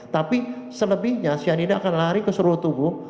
tapi selebihnya cyanida akan lari ke seluruh tubuh